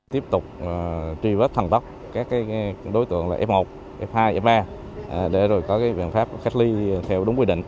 tiếp tục truy vết thẳng tóc các đối tượng f một f hai f ba để có biện pháp cách ly theo đúng quy định